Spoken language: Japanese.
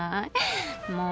もう。